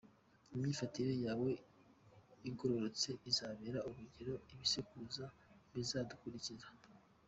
Imyifatire yawe igororotse izabera urugero ibisekuruza bizadukurikira.